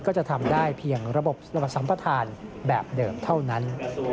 ก็จะทำได้เพียงระบบสัมประธานแบบเดิมเท่านั้น